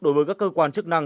đối với các cơ quan chức năng